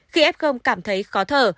khi f cảm thấy khó thở